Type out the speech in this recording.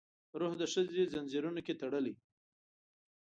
روح د ښځې ځنځیرونو کې تړلی